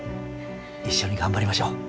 一緒に頑張りましょう。